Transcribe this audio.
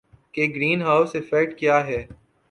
کہ green house effect کیا ہے